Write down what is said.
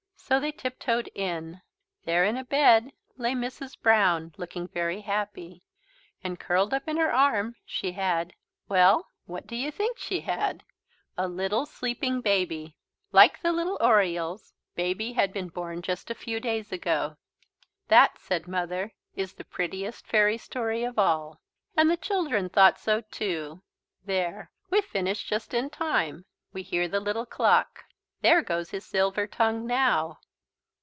So they tiptoed in. There in a bed lay Mrs. Brown, looking very happy. And curled up in her arm she had well, what do you think she had? A little sleeping baby! Like the little Orioles Baby had been born just a few days ago. "That," said Mother, "is the prettiest fairy story of all." And the children thought so too. There we've finished just in time. We hear the Little Clock. There goes his silver tongue now.